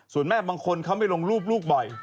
ส่วนแม่บางคนเขาไม่ลงรูปลูกบ่อย